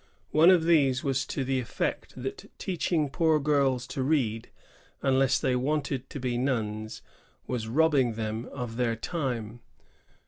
One of these was to the effect that teaching poor girls to read, unless they wanted to be nuns, was robbing them of their time.